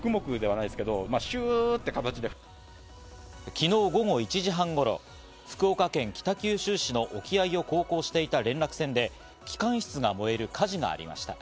昨日午後１時半頃、福岡県北九州市の沖合を航行していた連絡船で、機関室が燃える火事がありました。